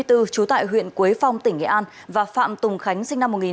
trú tại huyện quế phong tỉnh nghệ an và phạm tùng khánh sinh năm một nghìn chín trăm tám mươi